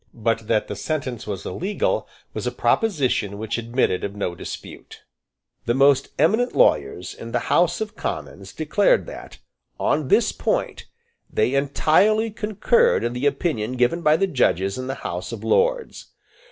But that the sentence was illegal was a proposition which admitted of no dispute. The most eminent lawyers in the House of Commons declared that, on this point, they entirely concurred in the opinion given by the judges in the House of Lords.